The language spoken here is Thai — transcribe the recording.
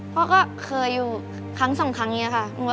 พ่อก็เคยอยู่ครั้งสองครั้งนี้ค่ะ